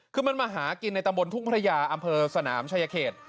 คือมันมาหากินในตำบลทุ่งพระยาอำเภอสนามชายเขต